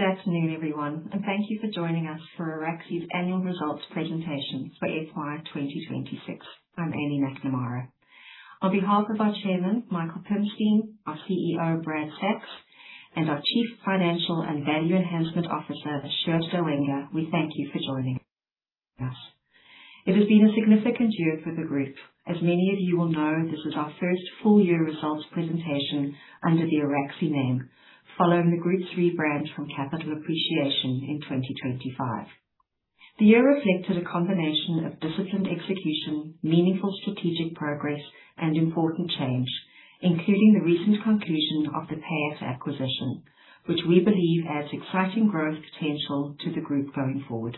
Good afternoon, everyone, thank you for joining us for Araxi's annual results presentation for FY 2026. I'm Amy McNamara. On behalf of our Chairman, Michael Pimstein, our CEO, Brad Sacks, and our Chief Financial and Value Enhancement Officer, Sjoerd Douwenga, we thank you for joining us. It has been a significant year for the group. As many of you will know, this is our first full year results presentation under the Araxi name, following the group's rebrand from Capital Appreciation in 2025. The year reflected a combination of disciplined execution, meaningful strategic progress, and important change, including the recent conclusion of the Pay@ acquisition, which we believe adds exciting growth potential to the group going forward.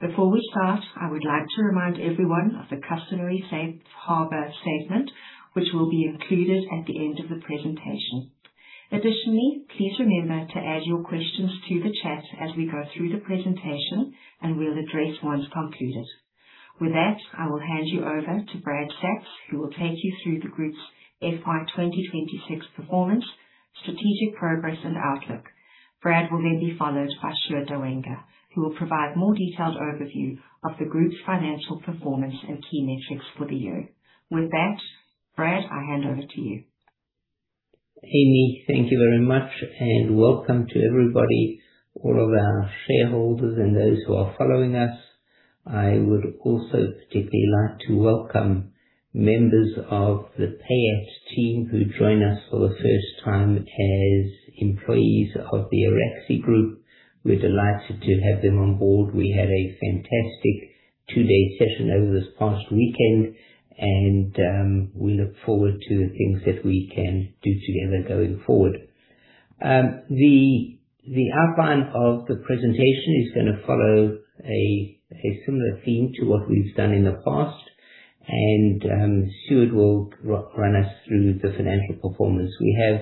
Before we start, I would like to remind everyone of the customary safe harbor statement, which will be included at the end of the presentation. Please remember to add your questions to the chat as we go through the presentation, and we'll address once concluded. With that, I will hand you over to Brad Sacks, who will take you through the group's FY 2026 performance, strategic progress, and outlook. Brad will be followed by Sjoerd Douwenga, who will provide a more detailed overview of the group's financial performance and key metrics for the year. With that, Brad, I hand over to you. Amy, thank you very much, welcome to everybody, all of our shareholders and those who are following us. I would also particularly like to welcome members of the Pay@ team who join us for the first time as employees of the Araxi Group. We're delighted to have them on board. We had a fantastic two-day session over this past weekend, and we look forward to the things that we can do together going forward. The outline of the presentation is going to follow a similar theme to what we've done in the past, Sjoerd will run us through the financial performance. We have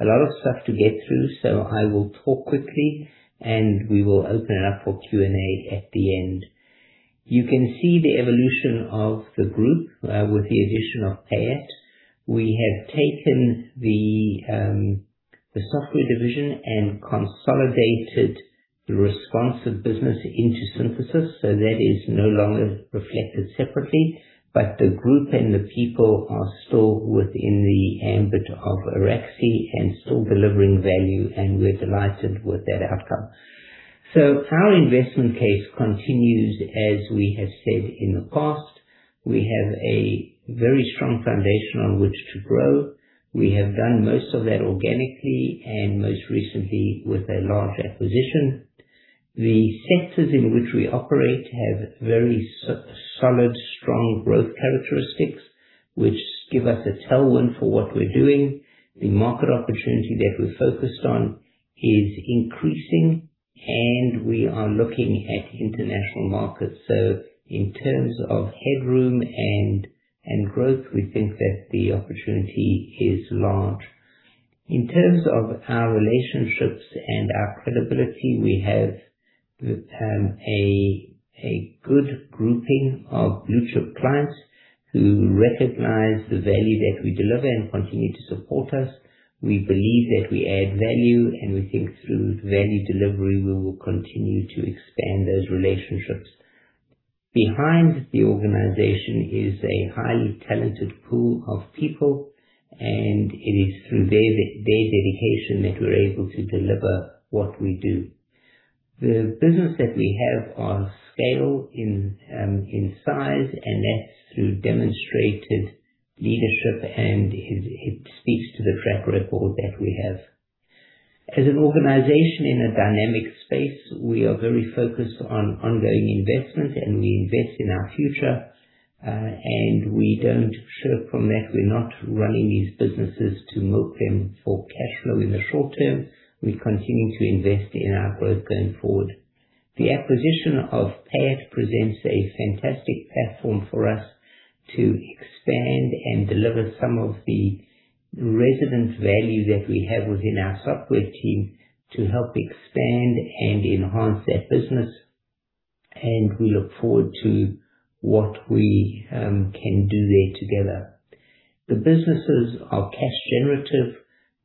a lot of stuff to get through, so I will talk quickly, and we will open it up for Q&A at the end. You can see the evolution of the group with the addition of Pay@. We have taken the software division and consolidated the Responsive business into Synthesis, so that is no longer reflected separately. The group and the people are still within the ambit of Araxi and still delivering value, and we're delighted with that outcome. Our investment case continues, as we have said in the past. We have a very strong foundation on which to grow. We have done most of that organically and most recently with a large acquisition. The sectors in which we operate have very solid, strong growth characteristics, which give us a tailwind for what we're doing. The market opportunity that we're focused on is increasing, and we are looking at international markets. In terms of headroom and growth, we think that the opportunity is large. In terms of our relationships and our credibility, we have a good grouping of blue-chip clients who recognize the value that we deliver and continue to support us. We believe that we add value. We think through value delivery, we will continue to expand those relationships. Behind the organization is a highly talented pool of people. It is through their dedication that we're able to deliver what we do. The business that we have are scale in size. That's through demonstrated leadership. It speaks to the track record that we have. As an organization in a dynamic space, we are very focused on ongoing investment. We invest in our future. We don't shirk from that. We're not running these businesses to milk them for cash flow in the short term. We continue to invest in our growth going forward. The acquisition of Pay@ presents a fantastic platform for us to expand and deliver some of the resident value that we have within our software team to help expand and enhance that business. We look forward to what we can do there together. The businesses are cash generative.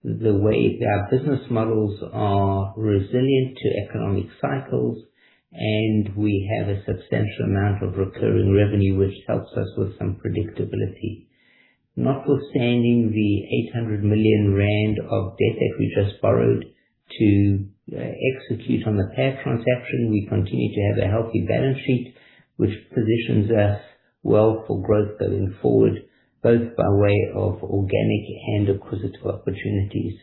Our business models are resilient to economic cycles. We have a substantial amount of recurring revenue, which helps us with some predictability. Notwithstanding the 800 million rand of debt that we just borrowed to execute on the Pay@ transaction, we continue to have a healthy balance sheet, which positions us well for growth going forward, both by way of organic and acquisitive opportunities.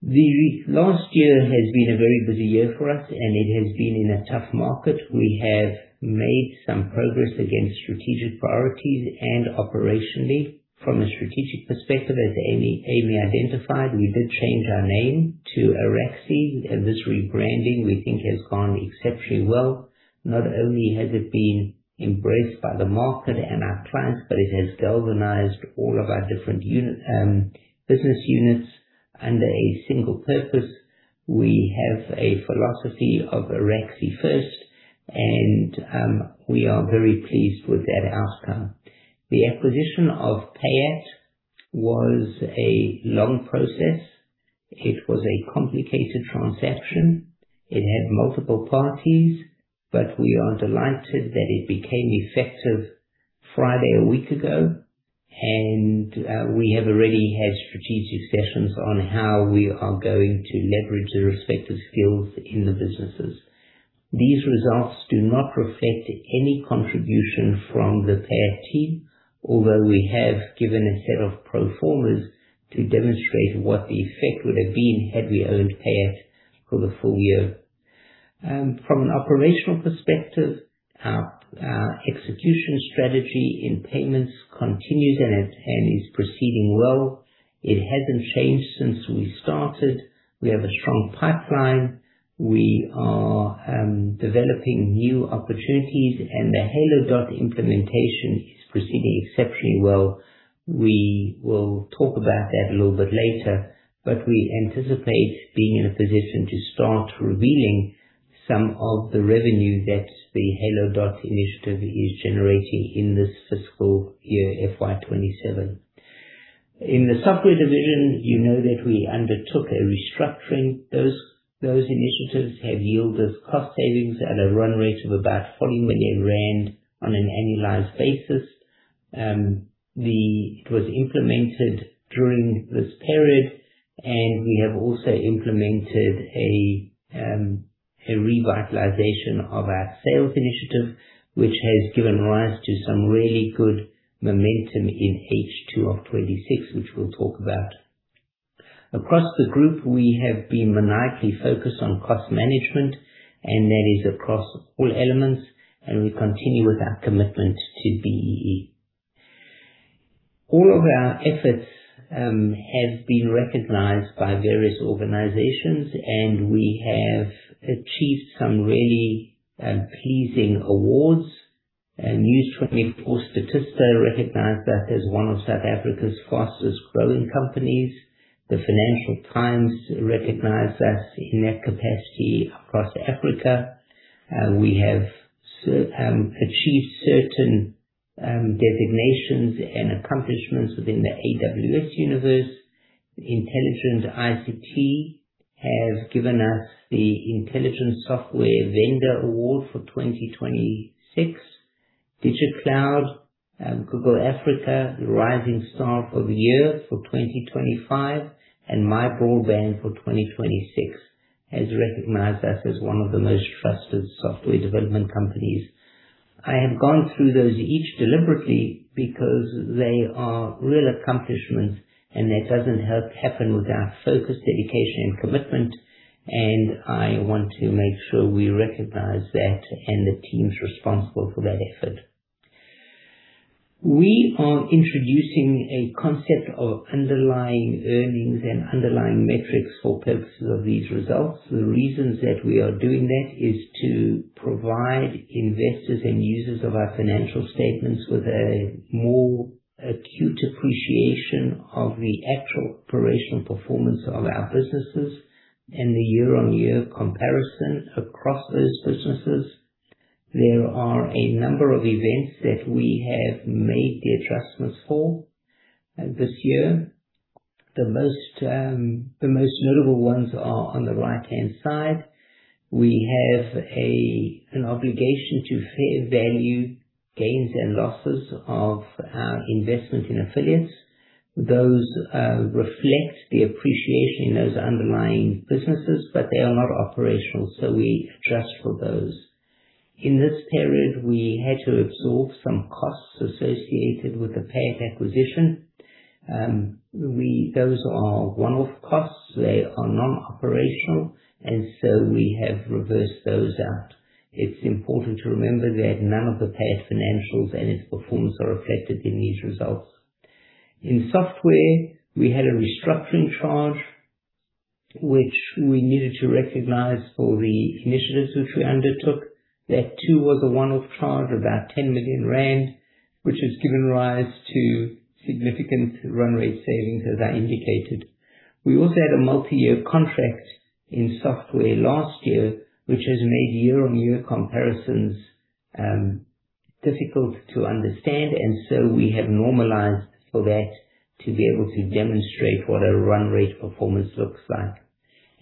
The last year has been a very busy year for us. It has been in a tough market. We have made some progress against strategic priorities and operationally. From a strategic perspective, as Amy identified, we did change our name to Araxi. This rebranding we think has gone exceptionally well. Not only has it been embraced by the market and our clients, but it has galvanized all of our different business units under a single purpose. We have a philosophy of Araxi first. We are very pleased with that outcome. The acquisition of Pay@ was a long process. It was a complicated transaction. It had multiple parties. We are delighted that it became effective Friday a week ago. We have already had strategic sessions on how we are going to leverage the respective skills in the businesses. These results do not reflect any contribution from the Pay@ team, although we have given a set of pro formas to demonstrate what the effect would have been had we owned Pay@ for the full year. From an operational perspective, our execution strategy in payments continues and is proceeding well. It hasn't changed since we started. We have a strong pipeline. We are developing new opportunities. The HaloDot implementation is proceeding exceptionally well. We will talk about that a little bit later, but we anticipate being in a position to start revealing some of the revenue that the HaloDot initiative is generating in this fiscal year, FY 2027. In the software division, you know that we undertook a restructuring. Those initiatives have yielded cost savings at a run rate of about ZAR 40 million on an annualized basis. It was implemented during this period. We have also implemented a revitalization of our sales initiative, which has given rise to some really good momentum in H2 of 2026, which we'll talk about. Across the group, we have been maniacally focused on cost management, and that is across all elements. We continue with our commitment to BEE. All of our efforts have been recognized by various organizations, and we have achieved some really pleasing awards. News24 Statista recognized us as one of South Africa's fastest-growing companies. The Financial Times recognized us in that capacity across Africa. We have achieved certain designations and accomplishments within the AWS universe. Intelligent ICT has given us the Intelligent Software Vendor Award for 2026. DigitCloud, Google Africa, Rising Star of the Year for 2025. MyBroadband for 2026 has recognized us as one of the most trusted software development companies. I have gone through those each deliberately because they are real accomplishments. That doesn't happen without focused dedication and commitment. I want to make sure we recognize that and the teams responsible for that effort. We are introducing a concept of underlying earnings and underlying metrics for purposes of these results. The reasons that we are doing that is to provide investors and users of our financial statements with a more acute appreciation of the actual operational performance of our businesses and the year-on-year comparison across those businesses. There are a number of events that we have made the adjustments for this year. The most notable ones are on the right-hand side. We have an obligation to fair value gains and losses of our investment in affiliates. Those reflect the appreciation in those underlying businesses, but they are not operational. We adjust for those. In this period, we had to absorb some costs associated with the Pay@ acquisition. Those are one-off costs. They are non-operational. We have reversed those out. It's important to remember that none of the Pay@ financials and its performance are reflected in these results. In software, we had a restructuring charge, which we needed to recognize for the initiatives which we undertook. That too was a one-off charge of about 10 million rand, which has given rise to significant run rate savings, as I indicated. We also had a multi-year contract in software last year, which has made year-on-year comparisons difficult to understand. We have normalized for that to be able to demonstrate what a run rate performance looks like.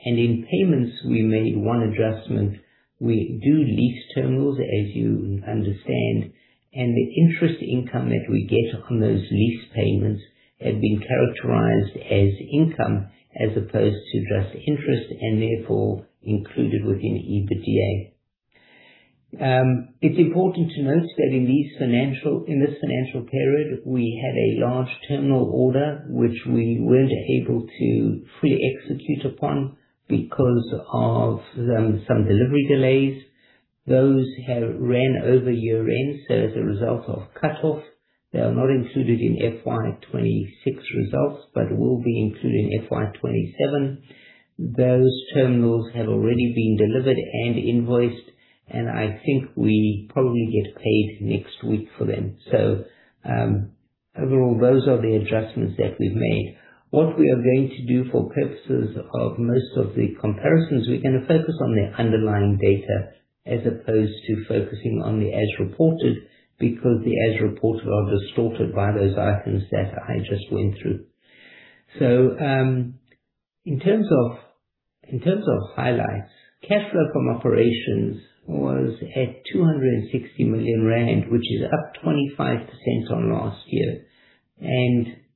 In payments, we made one adjustment. We do lease terminals, as you understand, and the interest income that we get on those lease payments had been characterized as income as opposed to just interest, and therefore included within EBITDA. It's important to note that in this financial period, we had a large terminal order, which we weren't able to fully execute upon because of some delivery delays. Those have ran over year-end, so as a result of cut-off, they are not included in FY 2026 results but will be included in FY 2027. Those terminals have already been delivered and invoiced, and I think we probably get paid next week for them. Overall, those are the adjustments that we've made. What we are going to do for purposes of most of the comparisons, we're going to focus on the underlying data as opposed to focusing on the as reported, because the as reported are distorted by those items that I just went through. In terms of highlights, cash flow from operations was at 260 million rand, which is up 25% on last year.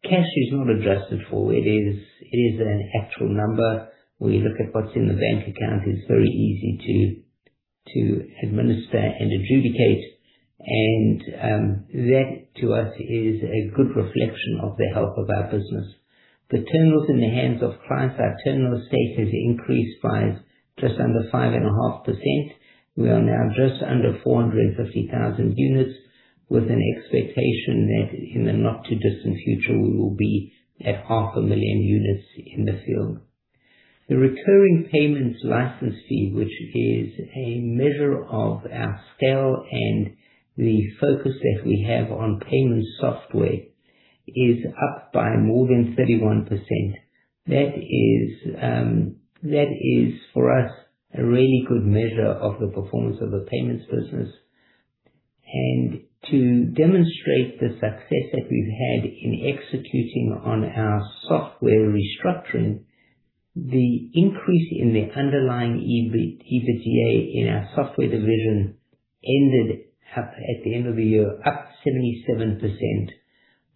Cash is not adjusted for, it is an actual number. We look at what's in the bank account, it's very easy to administer and adjudicate. That to us is a good reflection of the health of our business. The terminals in the hands of clients, our terminal estate has increased by just under 5.5%. We are now just under 450,000 units with an expectation that in the not-too-distant future, we will be at half a million units in the field. The recurring payments license fee, which is a measure of our scale and the focus that we have on payments software, is up by more than 31%. That is for us a really good measure of the performance of the payments business. To demonstrate the success that we've had in executing on our software restructuring, the increase in the underlying EBITDA in our software division ended up at the end of the year, up 77%.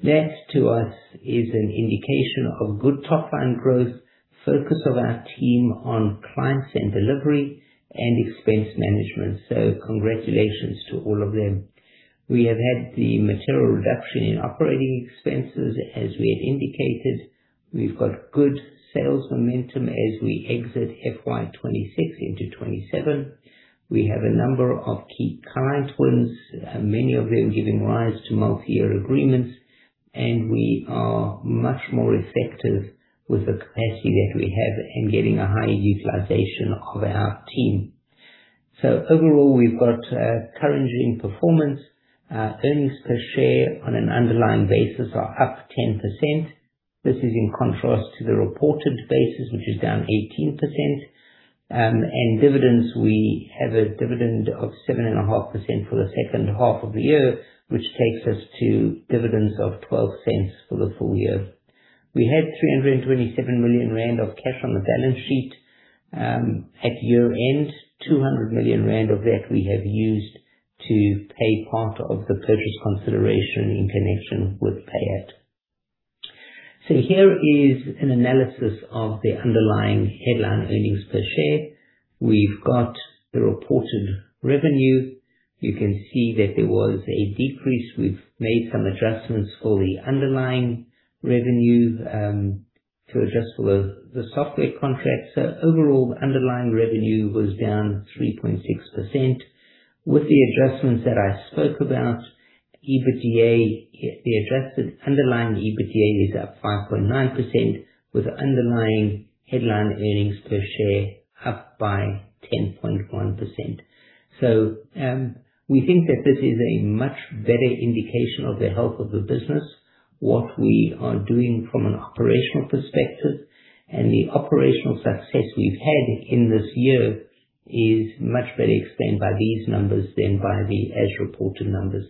That to us is an indication of good top-line growth, focus of our team on clients and delivery, and expense management. Congratulations to all of them. We have had the material reduction in operating expenses as we had indicated. We've got good sales momentum as we exit FY 2026 into 2027. We have a number of key client wins, many of them giving rise to multi-year agreements, and we are much more effective with the capacity that we have in getting a high utilization of our team. Overall, we've got encouraging performance. Our earnings per share on an underlying basis are up 10%. This is in contrast to the reported basis, which is down 18%. Dividends, we have a dividend of 7.5% for the second half of the year, which takes us to dividends of 0.12 for the full year. We had 327 million rand of cash on the balance sheet. At year-end, 200 million rand of that we have used to pay part of the purchase consideration in connection with Pay@. Here is an analysis of the underlying headline earnings per share. We've got the reported revenue. You can see that there was a decrease. We've made some adjustments for the underlying revenue, to adjust for the software contract. Overall, underlying revenue was down 3.6%. With the adjustments that I spoke about, the adjusted underlying EBITDA is up 5.9% with underlying headline earnings per share up by 10.1%. We think that this is a much better indication of the health of the business. What we are doing from an operational perspective and the operational success we've had in this year is much better explained by these numbers than by the as-reported numbers.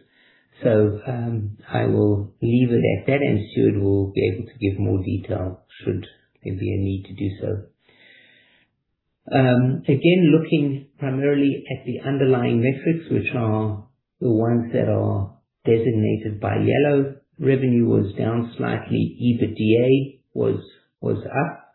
I will leave it at that, and Stuart will be able to give more detail should there be a need to do so. Again, looking primarily at the underlying metrics, which are the ones that are designated by yellow. Revenue was down slightly. EBITDA was up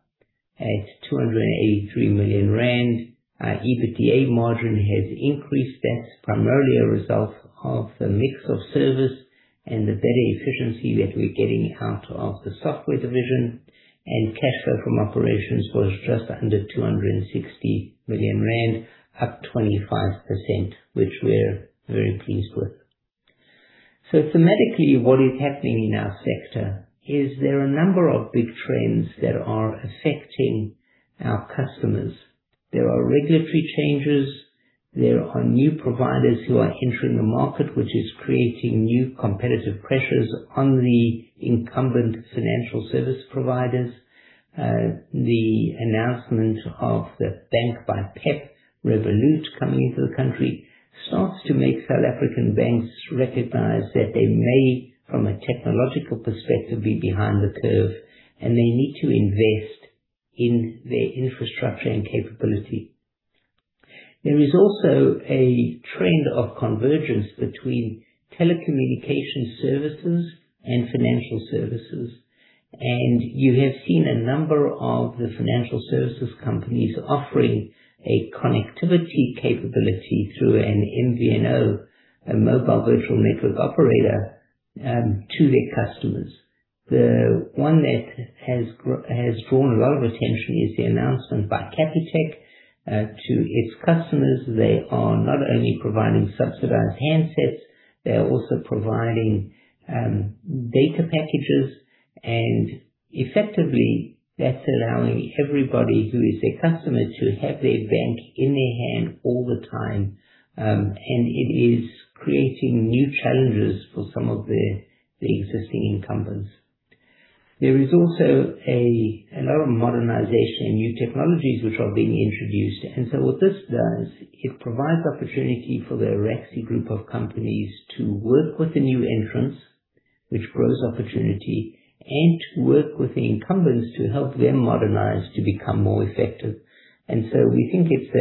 at 283 million rand. Our EBITDA margin has increased. That's primarily a result of the mix of service and the better efficiency that we're getting out of the software division. Cash flow from operations was just under 260 million rand, up 25%, which we're very pleased with. Thematically, what is happening in our sector is there are a number of big trends that are affecting our customers. There are regulatory changes. There are new providers who are entering the market, which is creating new competitive pressures on the incumbent financial service providers. The announcement of the bank by Pep Revolut coming into the country starts to make South African banks recognize that they may, from a technological perspective, be behind the curve and they need to invest in their infrastructure and capability. There is also a trend of convergence between telecommunication services and financial services. You have seen a number of the financial services companies offering a connectivity capability through an MVNO, a mobile virtual network operator, to their customers. The one that has drawn a lot of attention is the announcement by Capitec to its customers. They are not only providing subsidized handsets, they are also providing data packages. Effectively, that's allowing everybody who is their customer to have their bank in their hand all the time. It is creating new challenges for some of the existing incumbents. There is also a lot of modernization and new technologies which are being introduced. What this does, it provides opportunity for the Araxi group of companies to work with the new entrants, which grows opportunity, and to work with the incumbents to help them modernize to become more effective. We think it's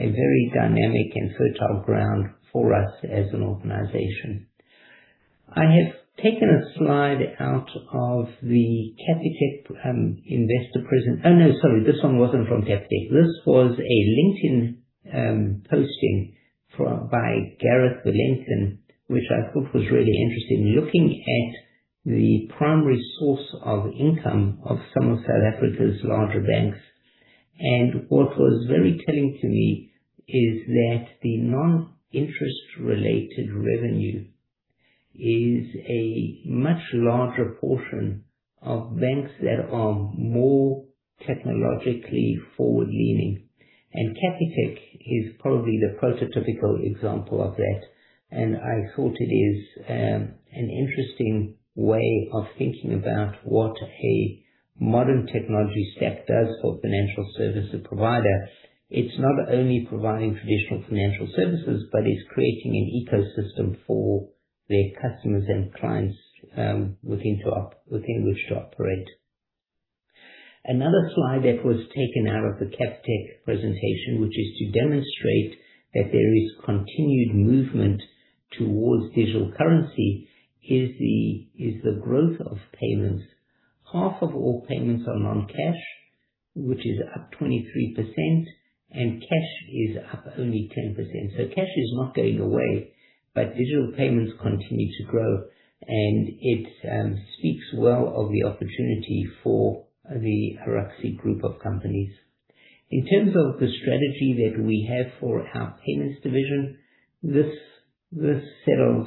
a very dynamic and fertile ground for us as an organization. I have taken a slide out of the Capitec investor. Oh, no, sorry, this one wasn't from Capitec. This was a LinkedIn posting by Gareth Lenten, which I thought was really interesting, looking at the primary source of income of some of South Africa's larger banks. What was very telling to me is that the non-interest related revenue is a much larger portion of banks that are more technologically forward-leaning. Capitec is probably the prototypical example of that, and I thought it is an interesting way of thinking about what a modern technology stack does for a financial services provider. It's not only providing traditional financial services, but it's creating an ecosystem for their customers and clients within which to operate. Another slide that was taken out of the Capitec presentation, which is to demonstrate that there is continued movement towards digital currency, is the growth of payments. Half of all payments are non-cash, which is up 23%, and cash is up only 10%. Cash is not going away, but digital payments continue to grow, and it speaks well of the opportunity for the Araxi group of companies. In terms of the strategy that we have for our payments division, this set of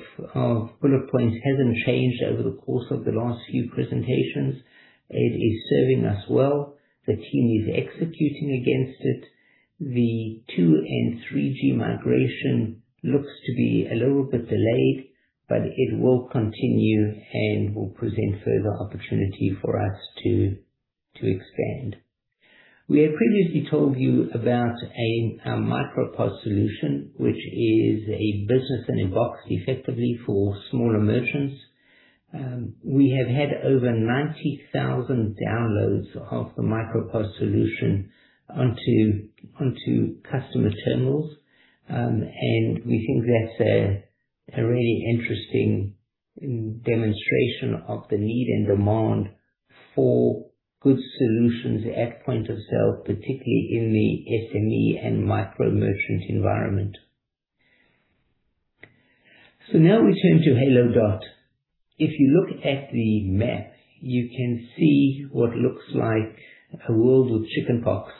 bullet points hasn't changed over the course of the last few presentations. It is serving us well. The team is executing against it. The 2 and 3G migration looks to be a little bit delayed, but it will continue and will present further opportunity for us to expand. We have previously told you about a MicroPOS solution, which is a business in a box effectively for smaller merchants. We have had over 90,000 downloads of the MicroPOS solution onto customer terminals, and we think that's a really interesting demonstration of the need and demand for good solutions at point of sale, particularly in the SME and micro-merchant environment. Now we turn to HaloDot. If you look at the map, you can see what looks like a world with chickenpox.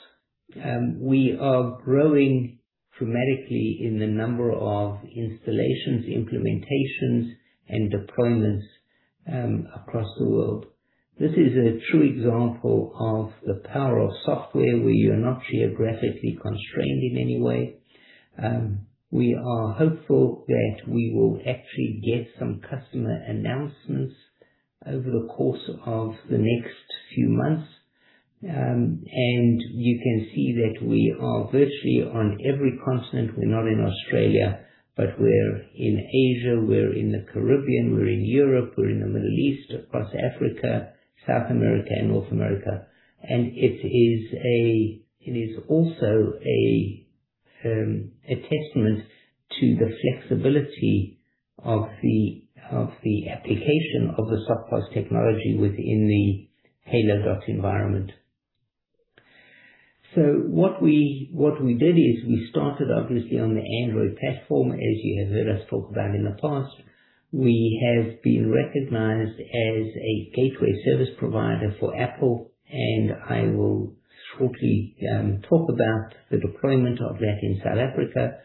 We are growing dramatically in the number of installations, implementations, and deployments across the world. This is a true example of the power of software, where you're not geographically constrained in any way. We are hopeful that we will actually get some customer announcements over the course of the next few months. You can see that we are virtually on every continent. We're not in Australia, but we're in Asia, we're in the Caribbean, we're in Europe, we're in the Middle East, across Africa, South America, and North America. It is also a testament to the flexibility of the application of the SoftPOS technology within the HaloDot environment. What we did is we started obviously on the Android platform, as you have heard us talk about in the past. We have been recognized as a gateway service provider for Apple, I will shortly talk about the deployment of that in South Africa.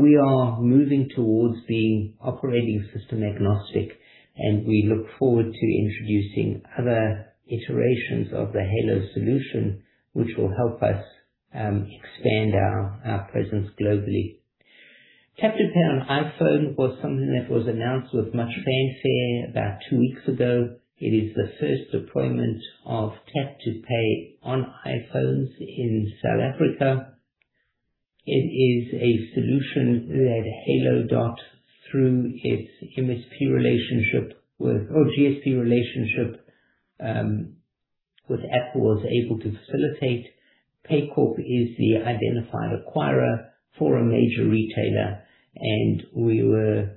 We are moving towards being operating system agnostic, we look forward to introducing other iterations of the Halo solution, which will help us expand our presence globally. Tap to pay on iPhone was something that was announced with much fanfare about two weeks ago. It is the first deployment of tap to pay on iPhones in South Africa. It is a solution that HaloDot, through its MSP relationship or GSP relationship with Apple, was able to facilitate. Paycorp is the identified acquirer for a major retailer, we were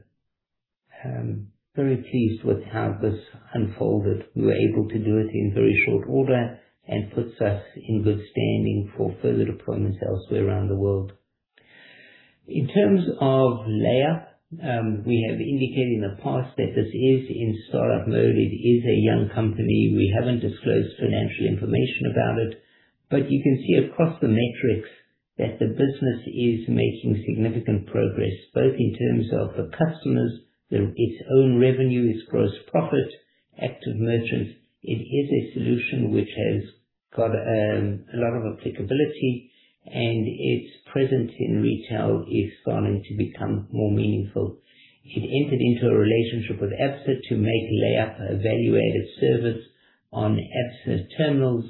very pleased with how this unfolded. We were able to do it in very short order and puts us in good standing for further deployments elsewhere around the world. In terms of LayUp, we have indicated in the past that this is in startup mode. It is a young company. We haven't disclosed financial information about it, but you can see across the metrics that the business is making significant progress both in terms of the customers, its own revenue, its gross profit, active merchants. It is a solution which has got a lot of applicability, its presence in retail is starting to become more meaningful. It entered into a relationship with Absa to make LayUp a value-added service on Absa terminals.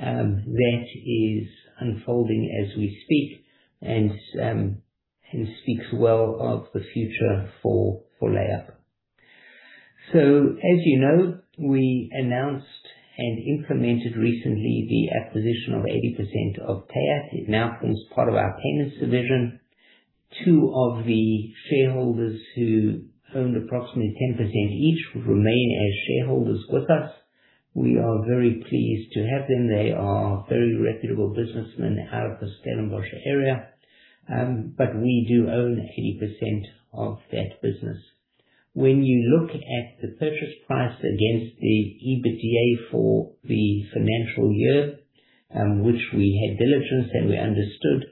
That is unfolding as we speak and speaks well of the future for LayUp. As you know, we announced and implemented recently the acquisition of 80% of Pay@. It now forms part of our payments division. Two of the shareholders who owned approximately 10% each would remain as shareholders with us. We are very pleased to have them. They are very reputable businessmen out of the Stellenbosch area. We do own 80% of that business. When you look at the purchase price against the EBITDA for the financial year, which we had diligence and we understood,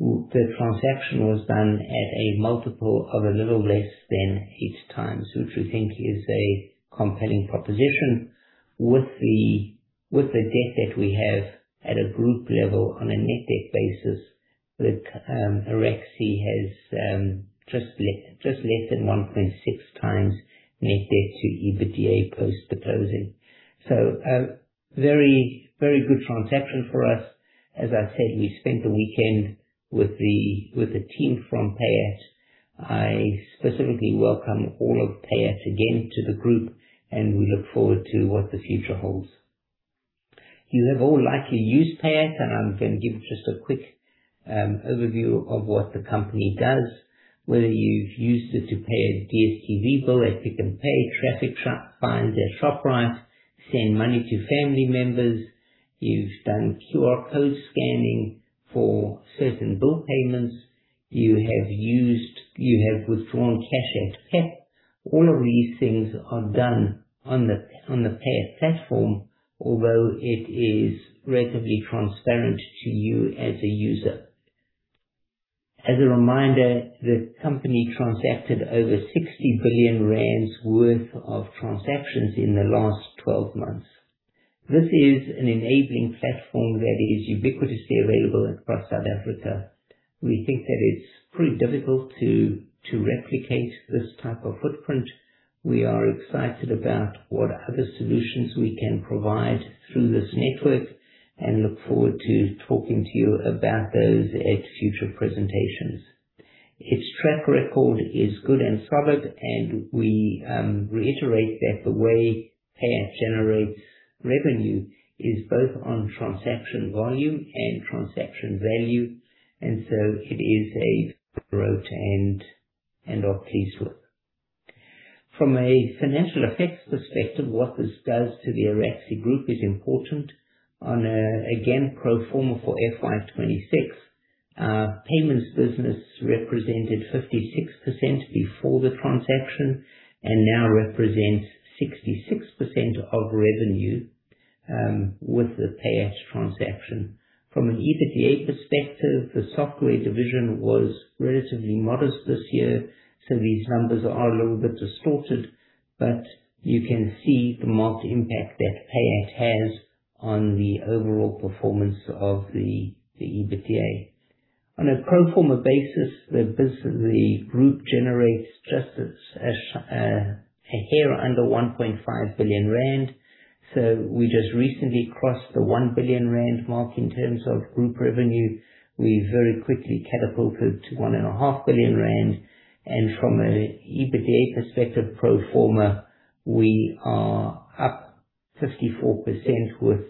the transaction was done at a multiple of a little less than eight times, which we think is a compelling proposition with the debt that we have at a group level on a net debt basis, that Araxi has just less than 1.6x net debt to EBITDA post the closing. A very good transaction for us. As I said, we spent the weekend with the team from Pay@. I specifically welcome all of Pay@ again to the group, we look forward to what the future holds. You have all likely used Pay@. I'm going to give just a quick overview of what the company does. Whether you've used it to pay a DStv bill at Pick n Pay, traffic fines, buy at Shoprite, send money to family members. You've done QR code scanning for certain bill payments. You have withdrawn cash at Capitec. All of these things are done on the Pay@ platform, although it is relatively transparent to you as a user. As a reminder, the company transacted over 60 billion rand worth of transactions in the last 12 months. This is an enabling platform that is ubiquitously available across South Africa. We think that it's pretty difficult to replicate this type of footprint. We are excited about what other solutions we can provide through this network and look forward to talking to you about those at future presentations. Its track record is good and solid. We reiterate that the way Pay@ generates revenue is both on transaction volume and transaction value. It is a growth and ops piece work. From a financial effects perspective, what this does to the Araxi group is important. On, again, pro forma for FY 2026, payments business represented 56% before the transaction and now represents 66% of revenue with the Pay@ transaction. From an EBITDA perspective, the software division was relatively modest this year. These numbers are a little bit distorted, but you can see the marked impact that Pay@ has on the overall performance of the EBITDA. On a pro forma basis, the group generates just a hair under 1.5 billion rand. We just recently crossed the 1 billion rand mark in terms of group revenue. We very quickly catapulted to 1.5 billion rand. From an EBITDA perspective, pro forma, we are up 54% with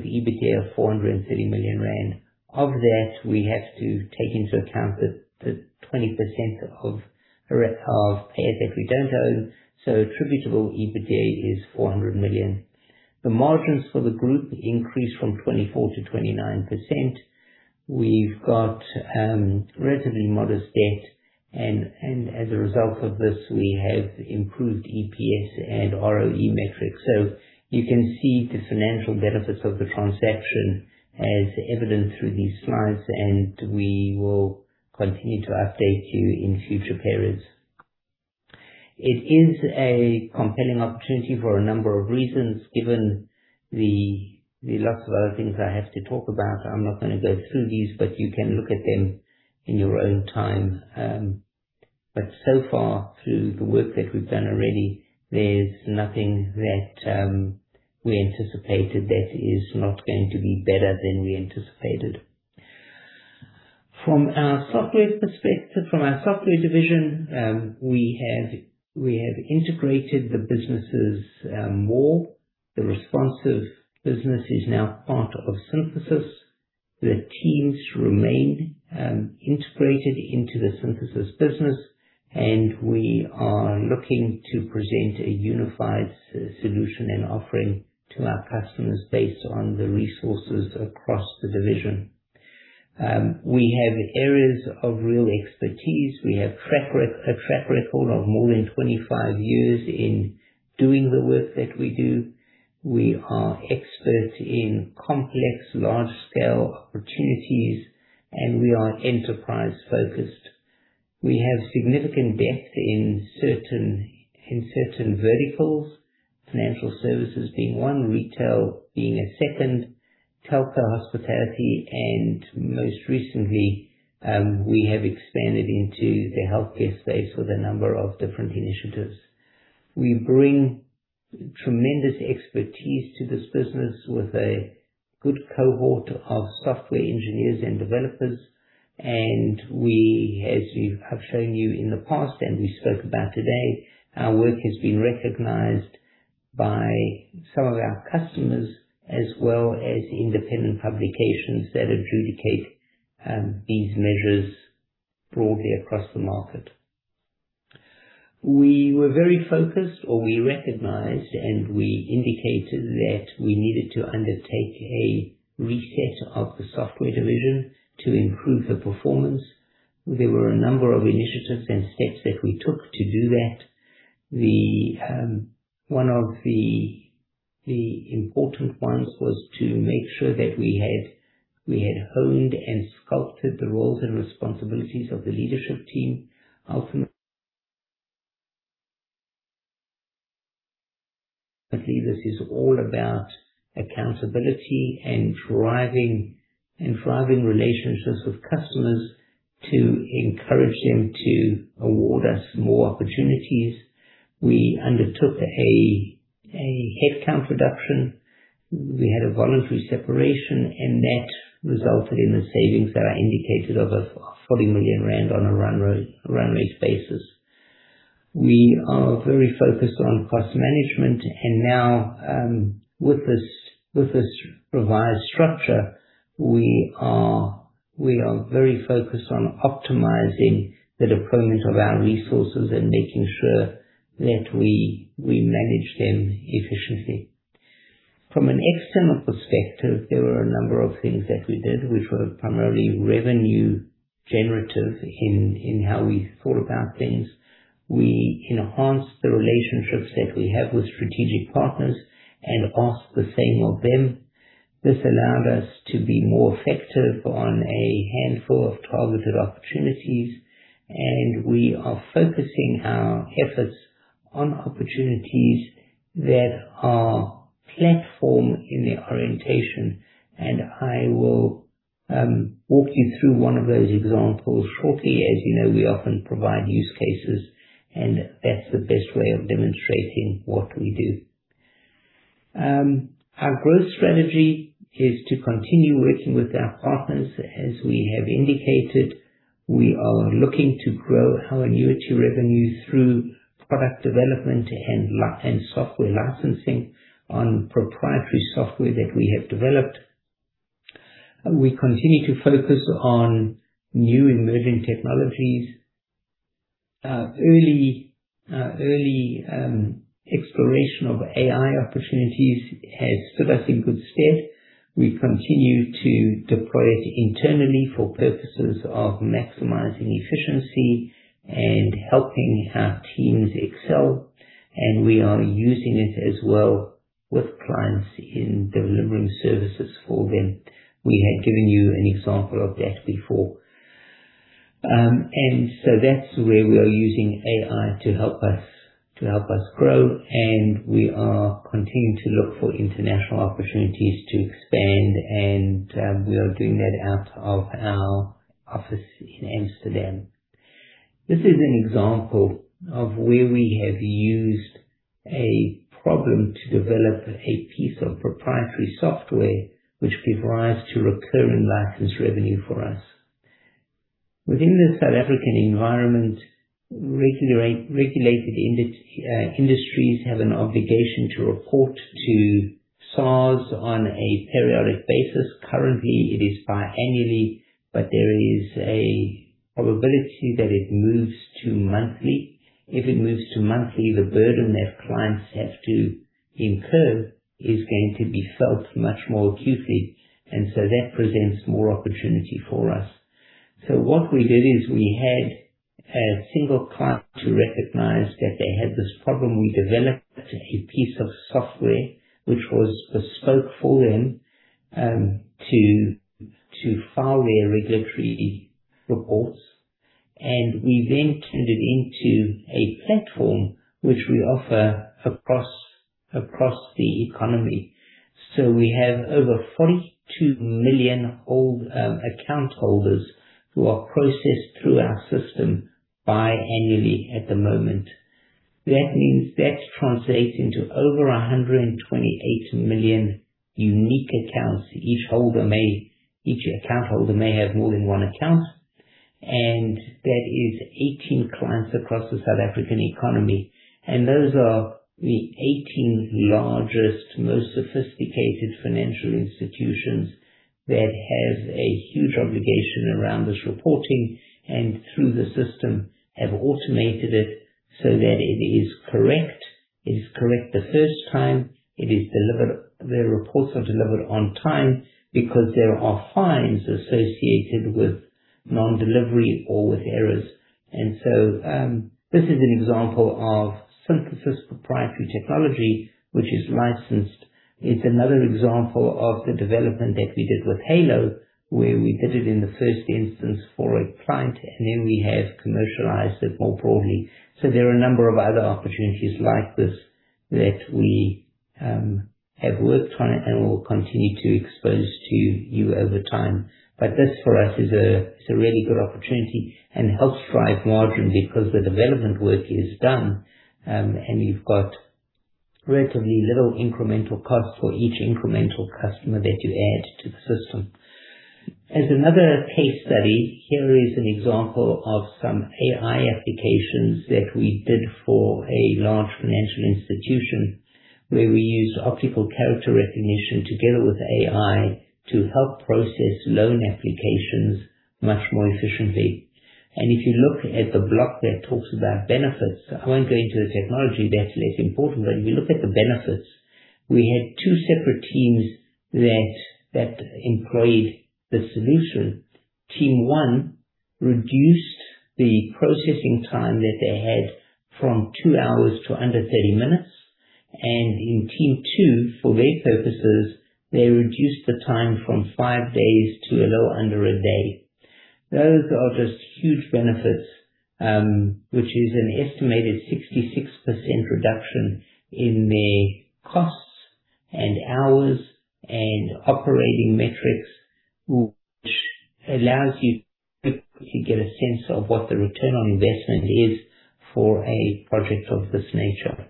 EBITDA of 430 million rand. Of that, we have to take into account the 20% of Pay@ that we don't own. Attributable EBITDA is 400 million. The margins for the group increased from 24% to 29%. We've got relatively modest debt. As a result of this, we have improved EPS and ROE metrics. You can see the financial benefits of the transaction as evidenced through these slides. We will continue to update you in future periods. It is a compelling opportunity for a number of reasons. Given the lots of other things I have to talk about, I'm not going to go through these. You can look at them in your own time. Through the work that we've done already, there's nothing that we anticipated that is not going to be better than we anticipated. From our software division, we have integrated the businesses more. The Responsive business is now part of Synthesis. The teams remain integrated into the Synthesis business. We are looking to present a unified solution and offering to our customers based on the resources across the division. We have areas of real expertise. We have a track record of more than 25 years in doing the work that we do. We are experts in complex, large-scale opportunities. We are enterprise-focused. We have significant depth in certain verticals, financial services being one, retail being a second, telco, hospitality. Most recently, we have expanded into the healthcare space with a number of different initiatives. We bring tremendous expertise to this business with a good cohort of software engineers and developers. As we have shown you in the past, and we spoke about today, our work has been recognized by some of our customers as well as independent publications that adjudicate these measures broadly across the market. We were very focused, or we recognized and we indicated that we needed to undertake a reset of the software division to improve the performance. There were a number of initiatives and steps that we took to do that. One of the important ones was to make sure that we had honed and sculpted the roles and responsibilities of the leadership team. Ultimately, this is all about accountability and thriving relationships with customers to encourage them to award us more opportunities. We undertook a headcount reduction. We had a voluntary separation, that resulted in the savings that are indicated of a 40 million rand on a run rate basis. We are very focused on cost management. Now, with this revised structure, we are very focused on optimizing the deployment of our resources and making sure that we manage them efficiently. From an external perspective, there were a number of things that we did, which were primarily revenue generative in how we thought about things. We enhanced the relationships that we have with strategic partners and asked the same of them. This allowed us to be more effective on a handful of targeted opportunities, and we are focusing our efforts on opportunities that are platform in their orientation. I will walk you through one of those examples shortly. As you know, we often provide use cases, and that's the best way of demonstrating what we do. Our growth strategy is to continue working with our partners. As we have indicated, we are looking to grow our annuity revenue through product development and software licensing on proprietary software that we have developed. We continue to focus on new emerging technologies. Early exploration of AI opportunities has stood us in good stead. We continue to deploy it internally for purposes of maximizing efficiency and helping our teams excel, and we are using it as well with clients in delivering services for them. We had given you an example of that before. That's where we are using AI to help us grow, and we are continuing to look for international opportunities to expand, and we are doing that out of our office in Amsterdam. This is an example of where we have used a problem to develop a piece of proprietary software which gives rise to recurring license revenue for us. Within the South African environment, regulated industries have an obligation to report to SARS on a periodic basis. Currently, it is biannually, but there is a probability that it moves to monthly. If it moves to monthly, the burden that clients have to incur is going to be felt much more acutely, and so that presents more opportunity for us. What we did is we had a single client to recognize that they had this problem. We developed a piece of software which was bespoke for them to file their regulatory reports. We then turned it into a platform which we offer across the economy. We have over 42 million account holders who are processed through our system biannually at the moment. That translates into over 128 million unique accounts. Each account holder may have more than one account, and that is 18 clients across the South African economy. Those are the 18 largest, most sophisticated financial institutions that have a huge obligation around this reporting and through the system have automated it so that it is correct the first time. Their reports are delivered on time because there are fines associated with non-delivery or with errors. This is an example of Synthesis proprietary technology, which is licensed. It's another example of the development that we did with Halo, where we did it in the first instance for a client, and then we have commercialized it more broadly. There are a number of other opportunities like this that we have worked on and will continue to expose to you over time. This for us is a really good opportunity and helps drive margin because the development work is done, and you've got relatively little incremental cost for each incremental customer that you add to the system. As another case study, here is an example of some AI applications that we did for a large financial institution, where we used optical character recognition together with AI to help process loan applications much more efficiently. If you look at the block that talks about benefits, I won't go into the technology, that's less important, but if you look at the benefits, we had two separate teams that employed the solution. Team 1 reduced the processing time that they had from two hours to under 30 minutes, and in team 2, for their purposes, they reduced the time from five days to a little under a day. Those are just huge benefits, which is an estimated 66% reduction in their costs, and hours, and operating metrics, which allows you to quickly get a sense of what the return on investment is for a project of this nature.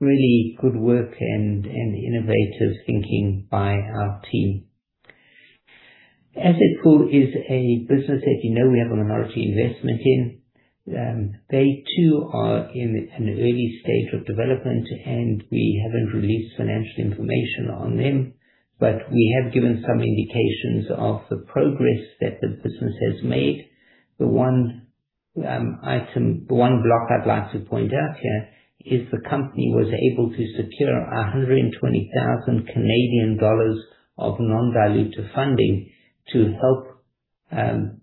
Really good work and innovative thinking by our team. AssetPool is a business that you know we have a minority investment in. They too are in an early stage of development, and we haven't released financial information on them, but we have given some indications of the progress that the business has made. The one block I'd like to point out here is the company was able to secure 120,000 Canadian dollars of non-dilutive funding to help fund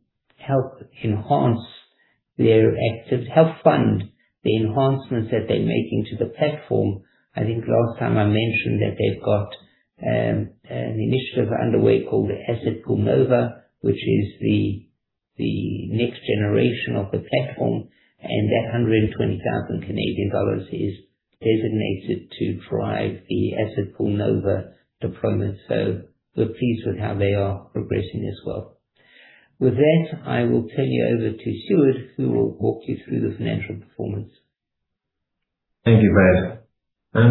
the enhancements that they're making to the platform. I think last time I mentioned that they've got an initiative underway called AssetPool Nova, which is the next generation of the platform, and that 120,000 Canadian dollars is designated to drive the AssetPool Nova deployment. We're pleased with how they are progressing as well. With that, I will turn you over to Stuart, who will walk you through the financial performance. Thank you, Brad. I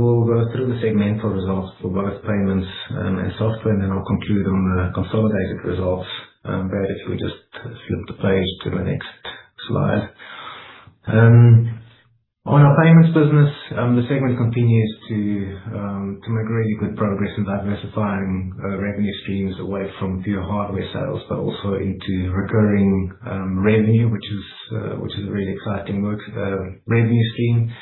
will go through the segmental results for both payments and software, then I'll conclude on the consolidated results. Brad, if you would just flip the page to the next slide. Our payments business, the segment continues to make really good progress in diversifying revenue streams away from pure hardware sales, but also into recurring revenue, which is a really exciting revenue stream,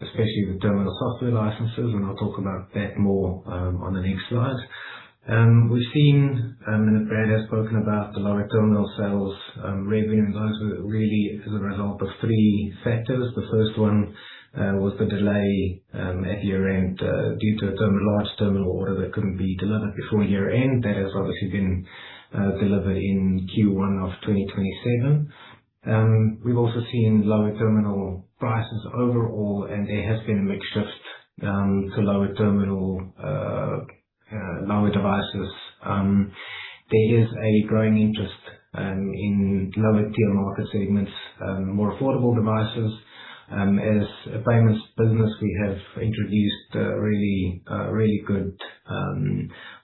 especially with terminal software licenses. I'll talk about that more on the next slide. Brad has spoken about the lower terminal sales revenue, and those were really as a result of three factors. The first one was the delay at year-end due to a large terminal order that couldn't be delivered before year-end. That has obviously been delivered in Q1 of 2027. Lower terminal prices overall, there has been a mix shift to lower terminal, lower devices. There is a growing interest in lower tier market segments, more affordable devices. We have introduced really good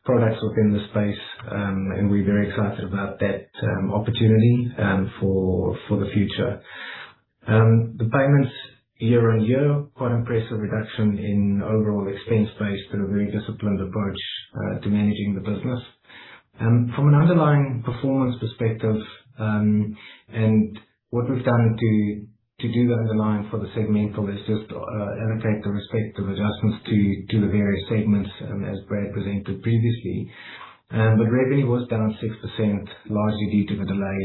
products within this space. We're very excited about that opportunity for the future. The payments year-on-year, quite impressive reduction in overall expense base through a very disciplined approach to managing the business. What we've done to do the underlying for the segmental is just allocate the respective adjustments to the various segments as Brad presented previously. Revenue was down 6%, largely due to the delay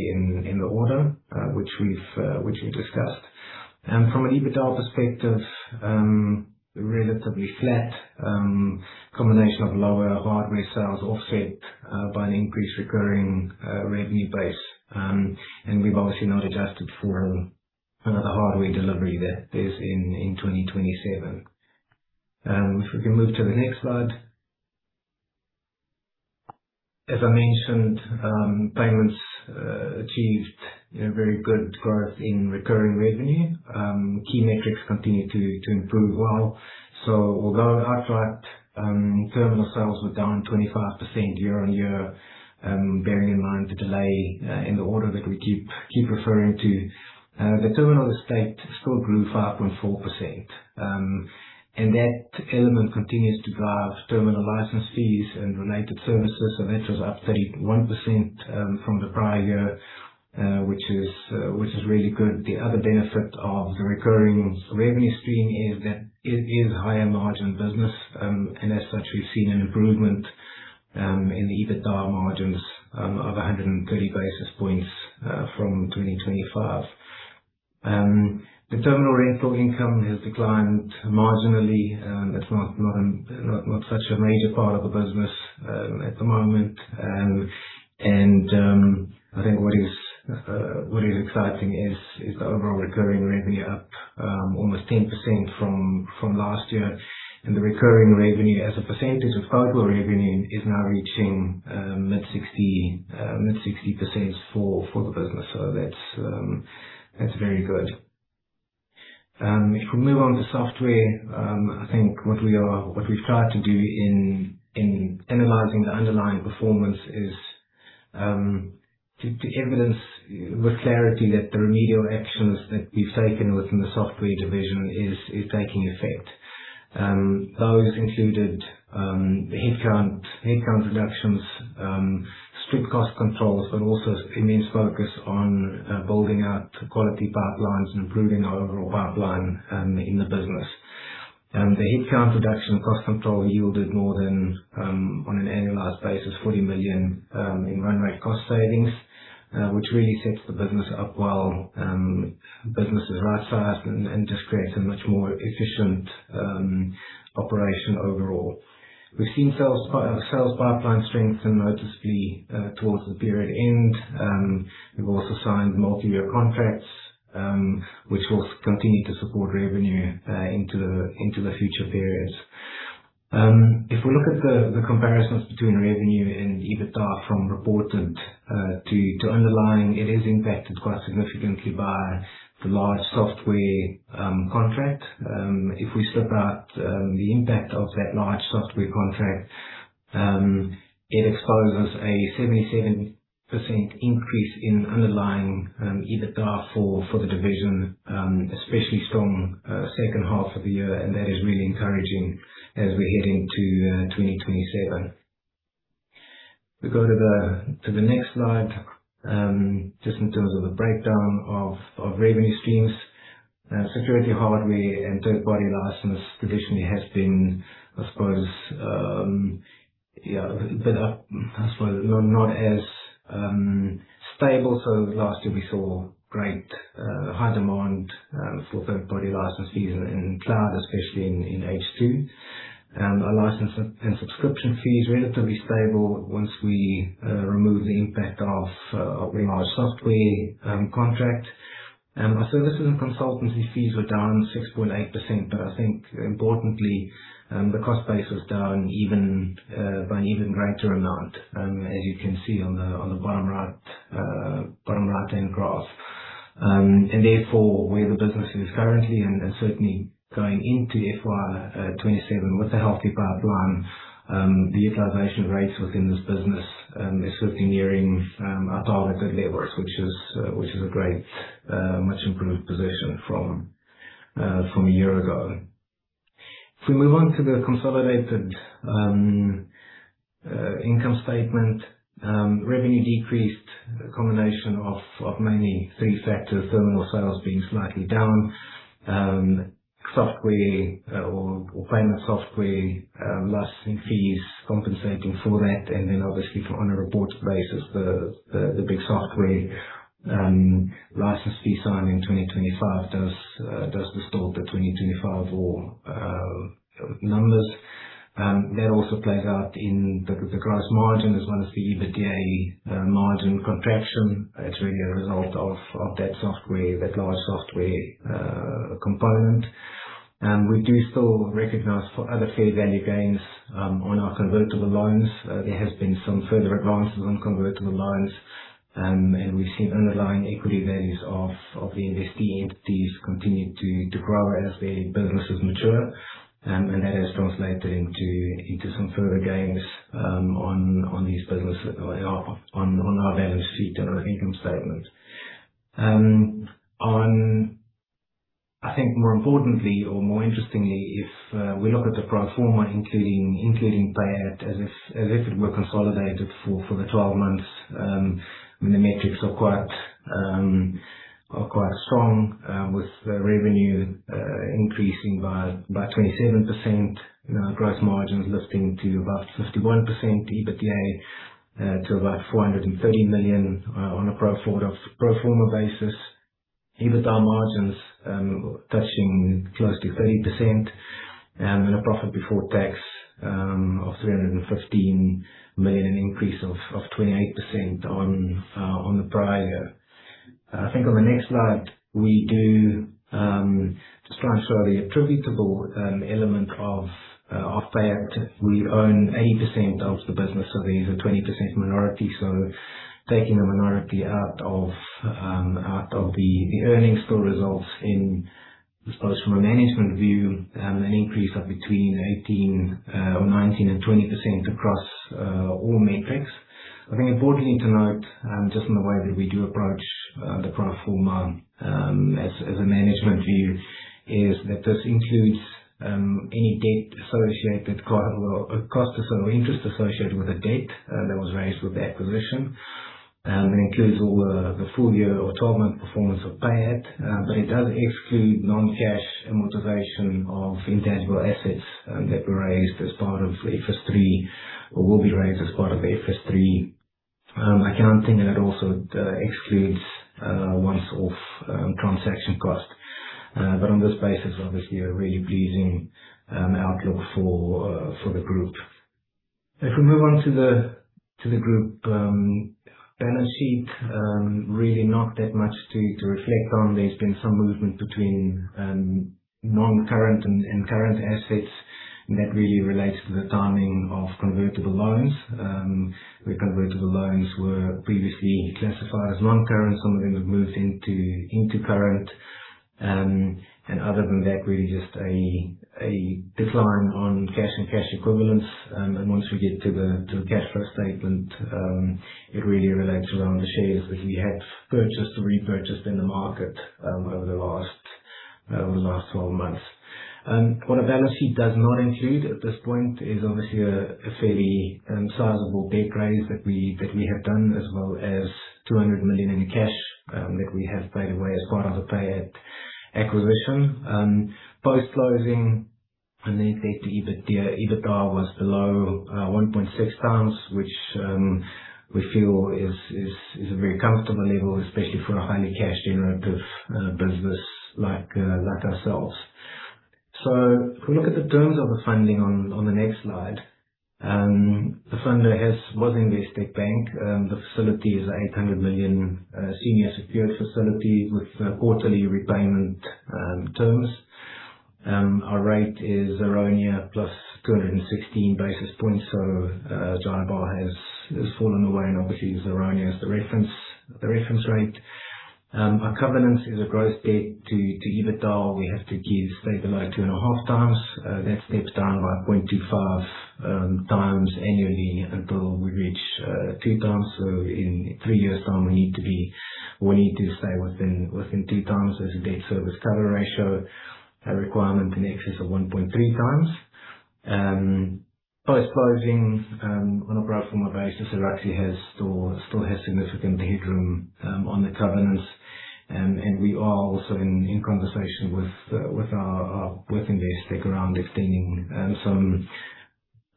in the order, which we've discussed. Relatively flat. Combination of lower hardware sales offset by an increased recurring revenue base. We've obviously not adjusted for the hardware delivery that is in 2027. If we can move to the next slide. Payments achieved very good growth in recurring revenue. Key metrics continue to improve well. Although outright terminal sales were down 25% year-on-year, bearing in mind the delay in the order that we keep referring to, the terminal estate still grew 5.4%. That element continues to drive terminal license fees and related services. That was up 31% from the prior year, which is really good. The other benefit of the recurring revenue stream is that it is higher margin business. As such, we've seen an improvement in the EBITDA margins of 130 basis points from 2025. The terminal rental income has declined marginally. That's not such a major part of the business at the moment. What is exciting is the overall recurring revenue up almost 10% from last year, the recurring revenue as a percentage of total revenue is now reaching mid 60% for the business. That's very good. What we've tried to do in analyzing the underlying performance is to evidence with clarity that the remedial actions that we've taken within the software division is taking effect. Those included headcount reductions, strict cost controls, immense focus on building out quality pipelines and improving our overall pipeline in the business. The headcount reduction cost control yielded more than, on an annualized basis, 40 million in run rate cost savings, which really sets the business up well. Business is right-sized and just creates a much more efficient operation overall. Sales pipeline strengthen noticeably towards the period end. We've also signed multi-year contracts, which will continue to support revenue into the future periods. If we look at the comparisons between revenue and EBITDA from reported to underlying, it is impacted quite significantly by the large software contract. If we slip out the impact of that large software contract, it exposes a 77% increase in underlying EBITDA for the division, especially strong second half of the year. That is really encouraging as we head into 2027. If we go to the next slide, just in terms of the breakdown of revenue streams. Security hardware and third-party license traditionally has been, I suppose, not as stable. Last year we saw great high demand for third-party licenses in cloud, especially in H2. Our license and subscription fees were relatively stable once we removed the impact of our software contract. Our services and consultancy fees were down 6.8%, but I think importantly, the cost base was down by an even greater amount, as you can see on the bottom right-hand graph. Therefore, where the business is currently and certainly going into FY 2027 with a healthy pipeline, the utilization rates within this business is swiftly nearing our targeted levels, which is a great, much improved position from a year ago. If we move on to the consolidated income statement. Revenue decreased a combination of mainly three factors, terminal sales being slightly down, software or payment software licensing fees compensating for that. Obviously on a report basis, the big software license fee signed in 2025 does distort the 2025 numbers. That also plays out in the gross margin as well as the EBITDA margin contraction. It's really a result of that large software component. We do still recognize for other fair value gains on our convertible loans. There has been some further advances on convertible loans. We've seen underlying equity values of the investee entities continue to grow as their businesses mature. That has translated into some further gains on our value sheet and our income statement. I think more importantly or more interestingly, if we look at the pro forma, including Pay@, as if it were consolidated for the 12 months, the metrics are quite strong, with revenue increasing by 27%, gross margins lifting to about 51%, EBITDA to about 430 million on a pro forma basis. EBITDA margins touching close to 30%, and a profit before tax of 315 million, an increase of 28% on the prior year. I think on the next slide, we do transfer the attributable element of Pay@. We own 80% of the business, there's a 20% minority. Taking the minority out of the earnings still results in, I suppose from a management view, an increase of between 18% or 19% and 20% across all metrics. I think importantly to note, just in the way that we do approach the pro forma, as a management view, is that this includes any debt associated, or cost of sale or interest associated with the debt that was raised with the acquisition. It includes all the full year or 12-month performance of Pay@, but it does exclude non-cash amortization of intangible assets that were raised as part of IFRS 3 or will be raised as part of IFRS 3 accounting. It also excludes once-off transaction cost. On this basis, obviously, a really pleasing outlook for the group. If we move on to the group balance sheet, really not that much to reflect on. There has been some movement between non-current and current assets, that really relates to the timing of convertible loans. Where convertible loans were previously classified as non-current, some of them have moved into current. Other than that, really just a decline on cash and cash equivalents. Once we get to the cash flow statement, it really relates around the shares that we had purchased or repurchased in the market over the last 12 months. What a balance sheet does not include at this point is obviously a fairly sizable debt raise that we have done, as well as 200 million in cash that we have paid away as part of the Pay@ acquisition. Post-closing, the net debt to EBITDA was below 1.6 times, which we feel is a very comfortable level, especially for a highly cash generative business like ourselves. If we look at the terms of the funding on the next slide. The funder was Investec Bank. The facility is a 800 million senior secured facility with quarterly repayment terms. Our rate is ZARONIA plus 216 basis points. JIBAR has fallen away and obviously uses ZARONIA as the reference rate. Our covenant is a gross debt to EBITDA. We have to give, say, below 2.5 times. That steps down by 0.25 times annually until we reach 2 times. In 3 years' time, we need to stay within 2 times as a debt service cover ratio, a requirement in excess of 1.3 times. Post-closing, on a pro forma basis, Araxi still has significant headroom on the covenants, we are also in conversation with Investec around extending some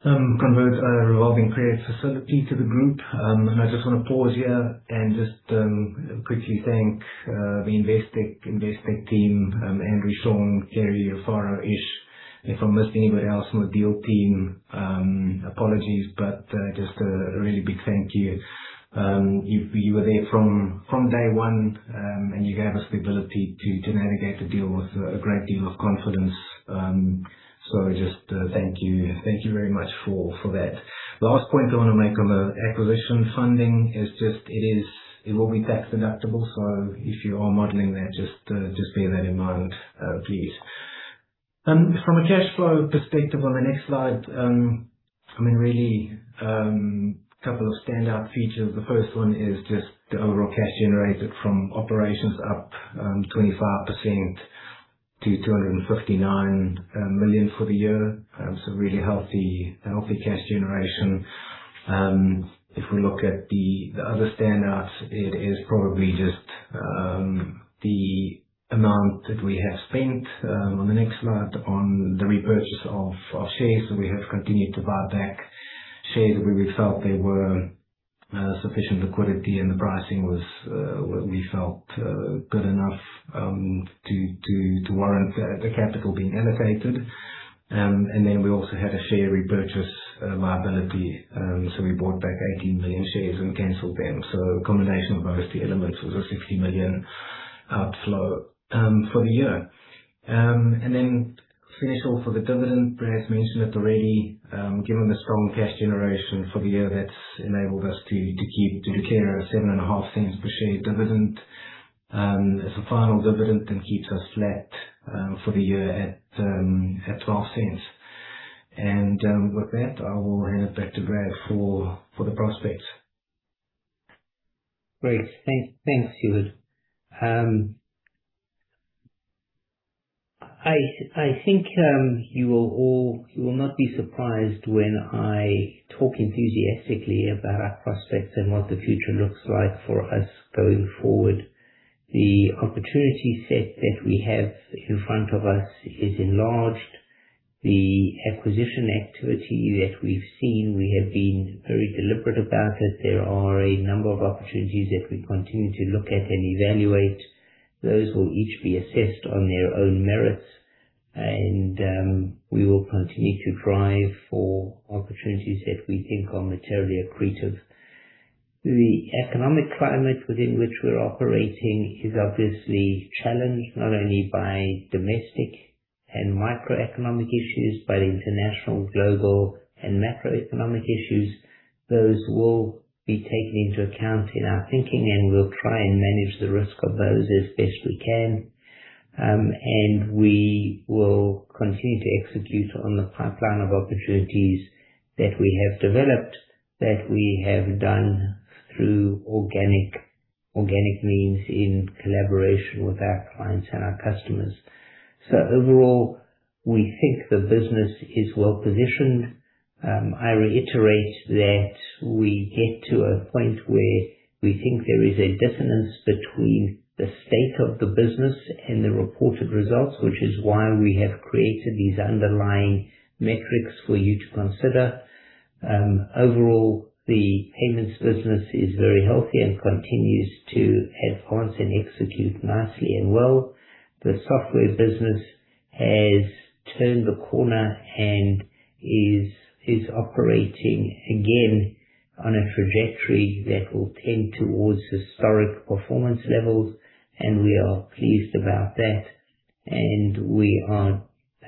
revolving credit facility to the group. I just want to pause here and just quickly thank the Investec team, Andrew, Sean, Gary, Farah, Ish, if I am missing anybody else from the deal team, apologies, but just a really big thank you. You were there from day one, you gave us the ability to navigate the deal with a great deal of confidence. Just thank you. Thank you very much for that. Last point I want to make on the acquisition funding is just it will be tax-deductible, if you are modeling that, just bear that in mind, please. From a cash flow perspective on the next slide, really, a couple of standout features. The first one is just the overall cash generated from operations up 25% to 259 million for the year. Really healthy cash generation. If we look at the other standouts, it is probably just the amount that we have spent on the next slide on the repurchase of our shares. We have continued to buy back shares where we felt there were sufficient liquidity and the pricing was, we felt, good enough to warrant the capital being allocated. Then we also had a share repurchase liability. We bought back 18 million shares and canceled them. A combination of those two elements was a 60 million outflow for the year. Then financial for the dividend, Brad mentioned it already. Given the strong cash generation for the year, that's enabled us to declare a 0.075 per share dividend as a final dividend and keeps us flat for the year at 0.12. With that, I will hand it back to Brad for the prospects. Great. Thanks, Sjoerd. I think you will not be surprised when I talk enthusiastically about our prospects and what the future looks like for us going forward. The opportunity set that we have in front of us is enlarged. The acquisition activity that we've seen, we have been very deliberate about it. There are a number of opportunities that we continue to look at and evaluate. Those will each be assessed on their own merits, and we will continue to drive for opportunities that we think are materially accretive. The economic climate within which we're operating is obviously challenged, not only by domestic and microeconomic issues, by the international, global, and macroeconomic issues. Those will be taken into account in our thinking, and we'll try and manage the risk of those as best we can. We will continue to execute on the pipeline of opportunities that we have developed, that we have done through organic means in collaboration with our clients and our customers. Overall, we think the business is well-positioned. I reiterate that we get to a point where we think there is a dissonance between the state of the business and the reported results, which is why we have created these underlying metrics for you to consider. Overall, the payments business is very healthy and continues to advance and execute nicely and well. The software business has turned the corner and is operating again on a trajectory that will tend towards historic performance levels, and we are pleased about that. We are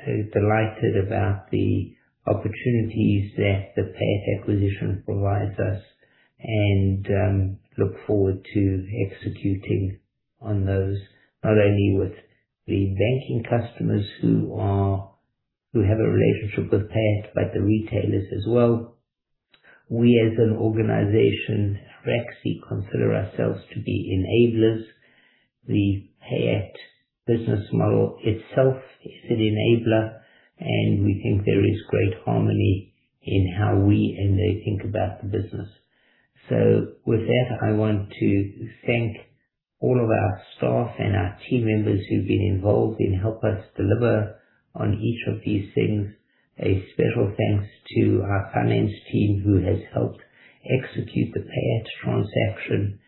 delighted about the opportunities that the Pay@ acquisition provides us and look forward to executing on those, not only with the banking customers who have a relationship with Pay@, but the retailers as well. We as an organization, Araxi, consider ourselves to be enablers. The Pay@ business model itself is an enabler, and we think there is great harmony in how we and they think about the business. With that, I want to thank all of our staff and our team members who've been involved in helping us deliver on each of these things. A special thanks to our finance team who has helped execute the Pay@ transaction,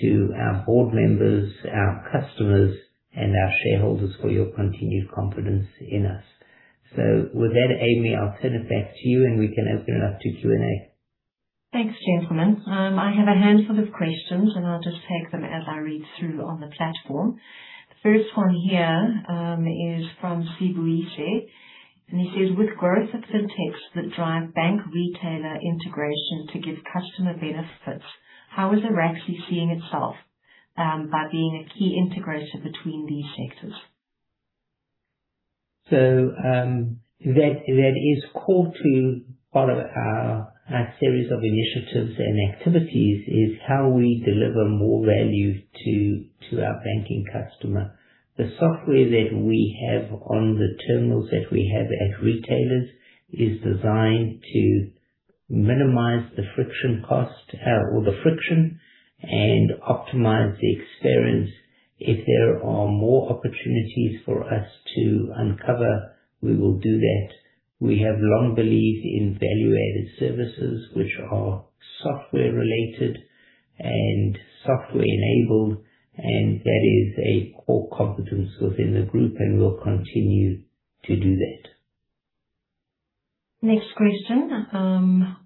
to our board members, our customers, and our shareholders for your continued confidence in us. With that, Amy, I'll turn it back to you, and we can open it up to Q&A. Thanks, gentlemen. I have a handful of questions, and I'll just take them as I read through on the platform. The first one here is from Sibuise, and he says, "With growth of fintechs that drive bank-retailer integration to give customer benefits, how is Araxi seeing itself by being a key integrator between these sectors? That is core to follow our series of initiatives and activities is how we deliver more value to our banking customer. The software that we have on the terminals that we have at retailers is designed to minimize the friction cost or the friction and optimize the experience. If there are more opportunities for us to uncover, we will do that. We have long believed in value-added services, which are software-related and software-enabled, and that is a core competence within the group, and we'll continue to do that. Next question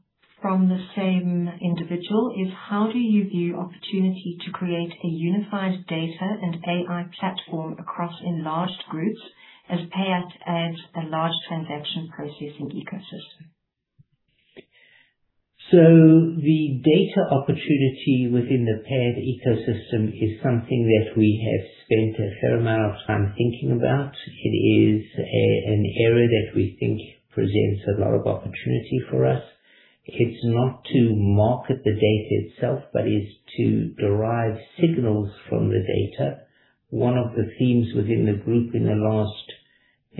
from the same individual is how do you view opportunity to create a unified data and AI platform across enlarged groups as Pay@ adds a large transaction processing ecosystem? The data opportunity within the Pay@ ecosystem is something that we have spent a fair amount of time thinking about. It is an area that we think presents a lot of opportunity for us. It's not to market the data itself, but it's to derive signals from the data. One of the themes within the group in the last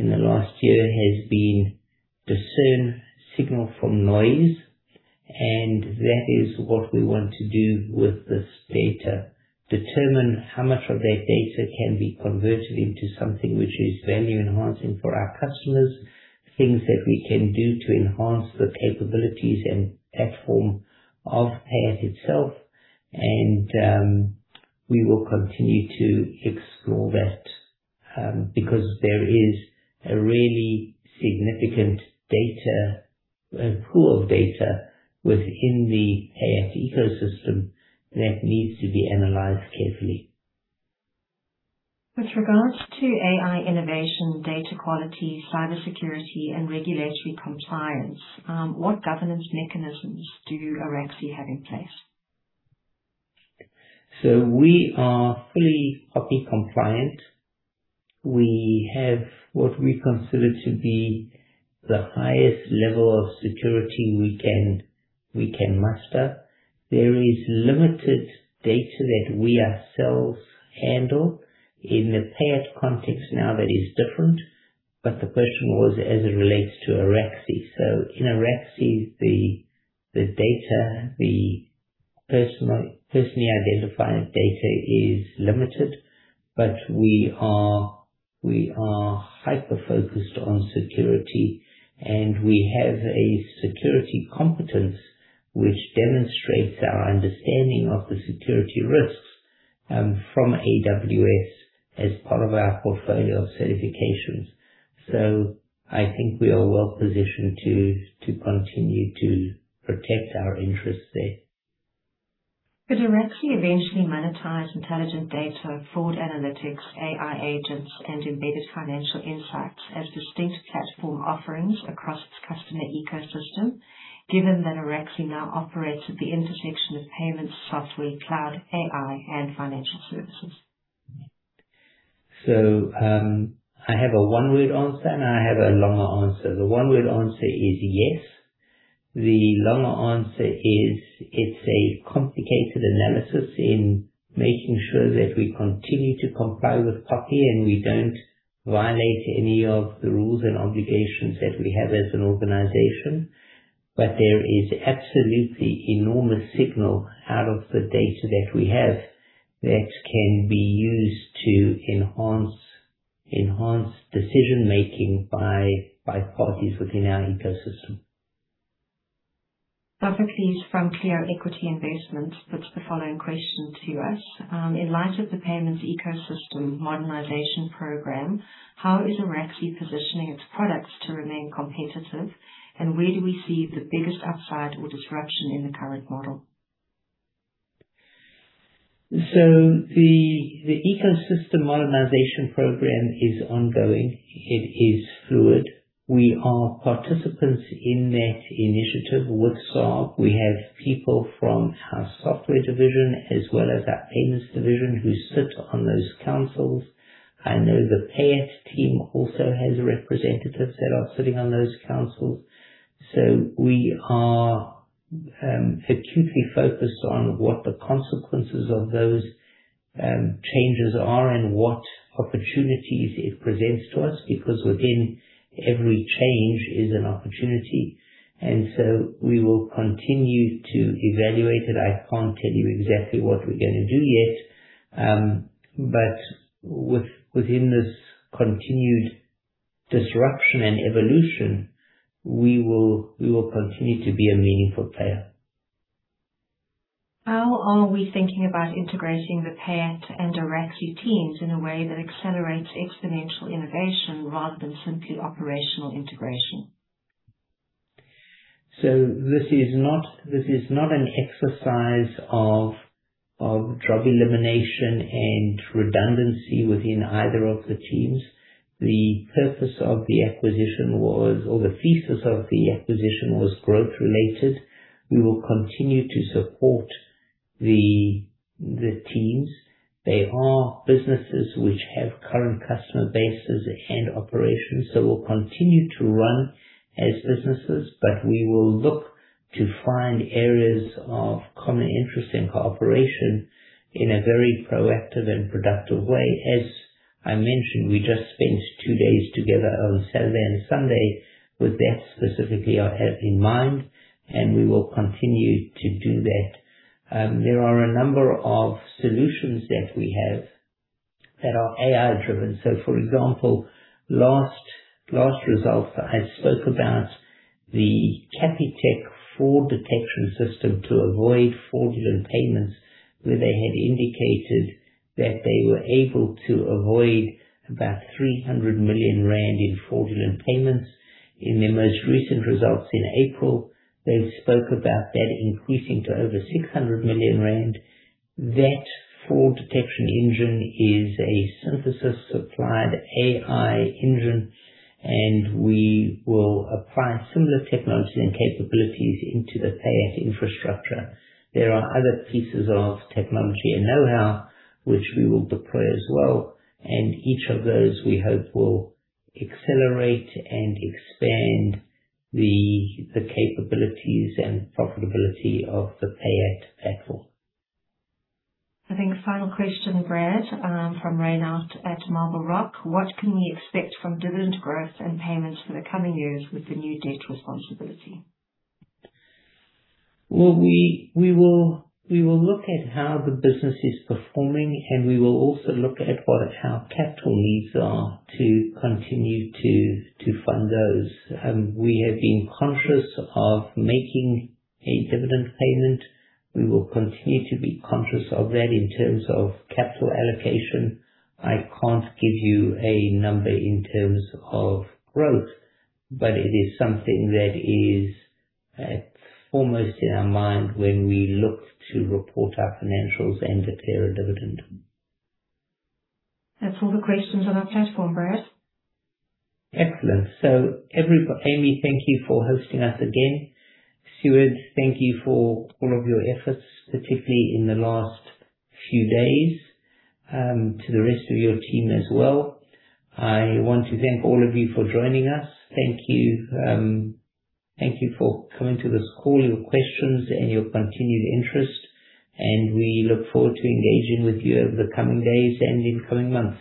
year has been discern signal from noise, and that is what we want to do with this data. Determine how much of that data can be converted into something which is value-enhancing for our customers, things that we can do to enhance the capabilities and platform of Pay@ itself, and we will continue to explore that because there is a really significant pool of data within the Pay@ ecosystem that needs to be analyzed carefully. With regards to AI innovation, data quality, cybersecurity, and regulatory compliance, what governance mechanisms do Araxi have in place? We are fully POPI compliant. We have what we consider to be the highest level of security we can muster. There is limited data that we ourselves handle. In the Pay@ context now, that is different. The question was as it relates to Araxi. In Araxi, the personally identifying data is limited, but we are hyper-focused on security, and we have a security competence which demonstrates our understanding of the security risks from AWS as part of our portfolio of certifications. I think we are well-positioned to continue to protect our interests there. Could Araxi eventually monetize intelligent data, fraud analytics, AI agents, and embedded financial insights as distinct platform offerings across its customer ecosystem, given that Araxi now operates at the intersection of payments, software, cloud, AI, and financial services? I have a one-word answer, and I have a longer answer. The one-word answer is yes. The longer answer is it's a complicated analysis in making sure that we continue to comply with POPIA, and we don't violate any of the rules and obligations that we have as an organization. There is absolutely enormous signal out of the data that we have that can be used to enhance decision-making by parties within our ecosystem. Bavokese from Cleo Equity Investments puts the following question to us. In light of the Payments Ecosystem Modernization Program, how is Araxi positioning its products to remain competitive? Where do we see the biggest upside or disruption in the current model? The Ecosystem Modernization Program is ongoing. It is fluid. We are participants in that initiative with SARB. We have people from our software division as well as our payments division who sit on those councils. I know the Pay@ team also has representatives that are sitting on those councils. We are acutely focused on what the consequences of those changes are and what opportunities it presents to us, because within every change is an opportunity. We will continue to evaluate it. I can't tell you exactly what we're going to do yet. Within this continued disruption and evolution, we will continue to be a meaningful player. How are we thinking about integrating the Pay@ and Araxi teams in a way that accelerates exponential innovation rather than simply operational integration? This is not an exercise of job elimination and redundancy within either of the teams. The purpose of the acquisition or the thesis of the acquisition was growth-related. We will continue to support the teams. They are businesses which have current customer bases and operations that will continue to run as businesses, but we will look to find areas of common interest and cooperation in a very proactive and productive way. As I mentioned, we just spent two days together on Saturday and Sunday with that specifically in mind, and we will continue to do that. There are a number of solutions that we have that are AI-driven. For example, last results that I spoke about, the Capitec fraud detection system to avoid fraudulent payments, where they had indicated that they were able to avoid about 300 million rand in fraudulent payments. In their most recent results in April, they spoke about that increasing to over 600 million rand. That fraud detection engine is a Synthesis-supplied AI engine, and we will apply similar technology and capabilities into the Pay@ infrastructure. There are other pieces of technology and know-how which we will deploy as well, and each of those we hope will accelerate and expand the capabilities and profitability of the Pay@ platform. I think final question, Brad, from Reinhardt at Marble Rock. What can we expect from dividend growth and payments for the coming years with the new debt responsibility? We will look at how the business is performing, and we will also look at what our capital needs are to continue to fund those. We have been conscious of making a dividend payment. We will continue to be conscious of that in terms of capital allocation. I can't give you a number in terms of growth, but it is something that is foremost in our mind when we look to report our financials and declare a dividend. That's all the questions on our platform, Brad. Excellent. Amy, thank you for hosting us again. Stuart, thank you for all of your efforts, particularly in the last few days, to the rest of your team as well. I want to thank all of you for joining us. Thank you for coming to this call, your questions, and your continued interest. We look forward to engaging with you over the coming days and in coming months.